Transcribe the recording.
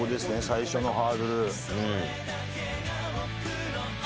最初のハードル。